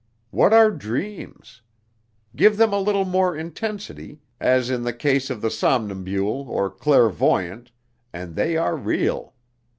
What are dreams? Give them a little more intensity, as in the case of the somnambule or clairvoyant, and they are real.